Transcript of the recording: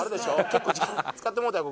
結構時間使ってもうたよ